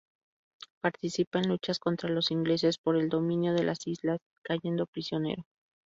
Participa en luchas contra los ingleses por el dominio de las islas, cayendo prisionero.